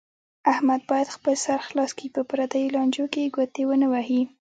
احمد باید خپل سر خلاص کړي، په پریو لانجو کې ګوتې و نه وهي.